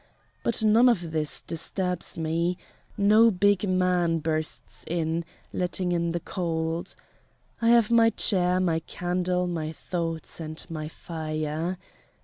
But none of this disturbs me no big man bursts in, letting in the cold. I have my chair, my candle, my thoughts, and my fire.